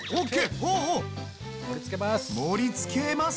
盛りつけます。